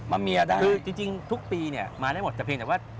ก็จริงทุกปีเนี่ยมาได้หมดจะเพียงแต่ว่า